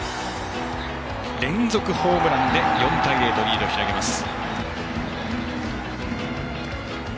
連続ホームランで４対０とリードを広げます。